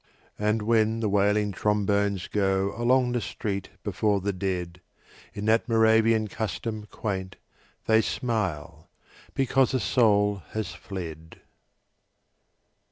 And when the wailing trombones go Along the street before the dead In that Moravian custom quaint, They smile because a soul has fled.